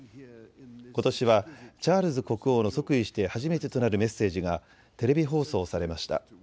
ことしはチャールズ国王の即位して初めてとなるメッセージがテレビ放送されました。